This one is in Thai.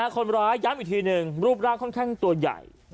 คนร้ายย้ำอีกทีหนึ่งรูปร่างค่อนข้างตัวใหญ่